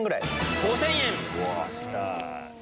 ５０００円。